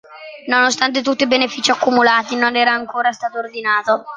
Nonostante tutti i benefici accumulati non era ancora stato ordinato.